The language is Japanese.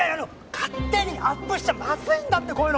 勝手にアップしちゃまずいんだってこういうの！